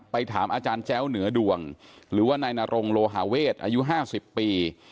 ถามอาจารย์แจ้วเหนือดวงหรือว่านายนรงโลหาเวทอายุ๕๐ปี